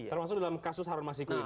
termasuk dalam kasus harun masiku ini ya